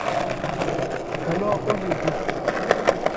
Καλό απόγευμα